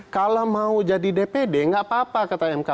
kalau mau jadi dpd nggak apa apa kata mk